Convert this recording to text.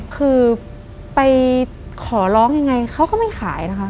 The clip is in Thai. คือไปขอร้องยังไงเขาก็ไม่ขายนะคะ